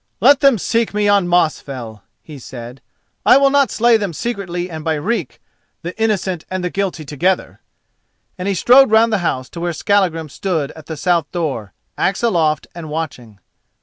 "Let them seek me on Mosfell," he said, "I will not slay them secretly and by reek, the innocent and the guilty together." And he strode round the house to where Skallagrim stood at the south door, axe aloft and watching.